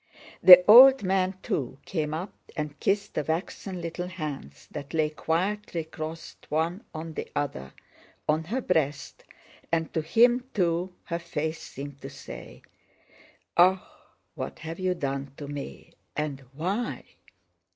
The old man too came up and kissed the waxen little hands that lay quietly crossed one on the other on her breast, and to him, too, her face seemed to say: "Ah, what have you done to me, and why?"